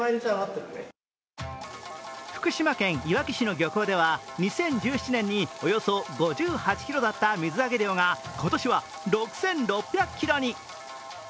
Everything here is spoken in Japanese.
福島県いわき市の漁港では２０１７年におよそ５８ｋｇだった水揚げ量が今年は６６００ｋｇに。